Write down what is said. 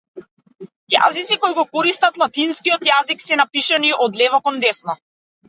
Јазици кои го користат латинскиот јазик се напишани од лево кон десно.